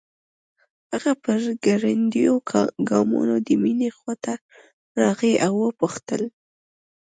هغه په ګړنديو ګامونو د مينې خواته راغی او وپوښتل